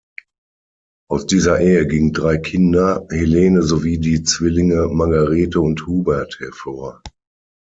Aus dieser Ehe gingen drei Kinder, Helene sowie die Zwillinge Margarethe und Hubert hervor.